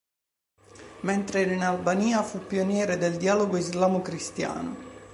Mentre era in Albania fu un pioniere del dialogo islamo-cristiano.